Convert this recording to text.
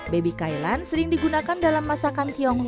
baby thailand sering digunakan dalam masakan tionghoa